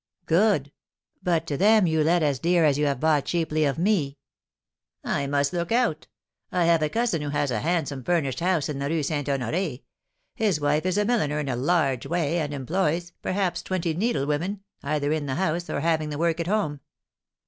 "Good; but to them you let as dear as you have bought cheaply of me." "I must look out. I have a cousin who has a handsome furnished house in the Rue St. Honoré. His wife is a milliner in a large way, and employs, perhaps, twenty needlewomen, either in the house, or having the work at home."